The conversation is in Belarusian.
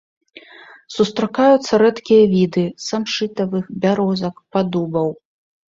Сустракаюцца рэдкія віды самшытавых, бярозак, падубаў.